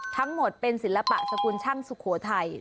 ทั้งหมดเป็นศิลปะสกุลช่างสุโขทัย